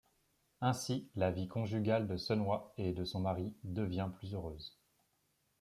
Ainsi la vie conjugale de Sun-hwa et de son mari devient plus heureuse...